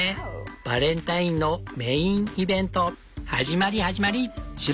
バレンタインのメインイベント始まり始まり。